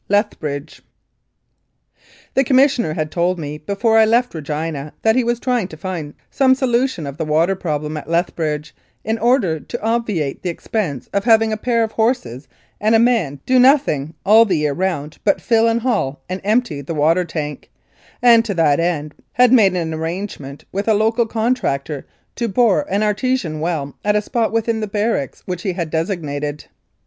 LETHBRIDGE THE Commissioner had told me before I left Regina that he was trying to find some solution of the water problem at Lethbridge, in order to obviate the expense of having a pair of horses and a man do nothing all the year round but fill and haul and empty the water tank, and to that end had made an arrangement with a local contractor to bore an artesian well at a spot within the barracks which he had designated.